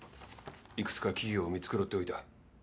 いくつか企業を見繕っておいた。